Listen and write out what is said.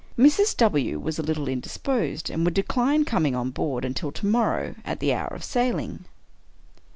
" Mrs. W. was a little indisposed, and would decline coming on board until to morrow, at the hour of sailing."